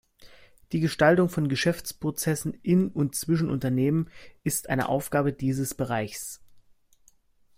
Die Gestaltung von Geschäftsprozessen in und zwischen Unternehmen ist eine Aufgabe dieses Bereichs.